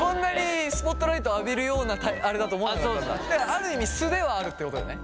ある意味素ではあるってことだよね？